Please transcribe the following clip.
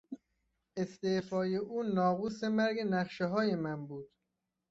استعفای او ناقوس مرگ نقشههای من بود.